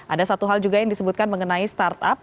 ada satu hal juga yang disebutkan mengenai startup